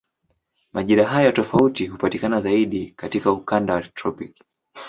Majira hayo tofauti hupatikana zaidi katika ukanda wa tropiki.